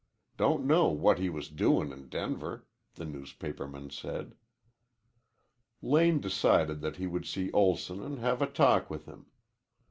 Don't know what he was doin' in Denver," the newspaperman said. Lane decided that he would see Olson and have a talk with him.